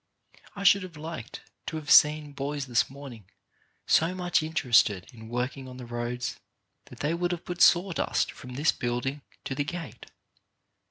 I should have liked to have seen boys this morning so much interested in working on the roads that they would have put sawdust from this building to the gate.